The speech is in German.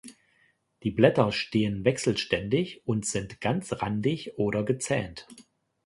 Die Blätter stehen wechselständig und sind ganzrandig oder gezähnt.